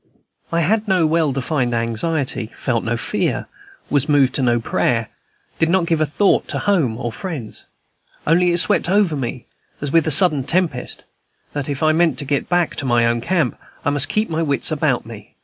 I had no well defined anxiety, felt no fear, was moved to no prayer, did not give a thought to home or friends; only it swept over me, as with a sudden tempest, that, if I meant to get back to my own camp, I must keep my wits about me.